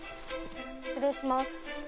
失礼します。